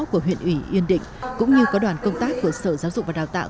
của huyện ủy yên định cũng như có đoàn công tác của sở giáo dục và đào tạo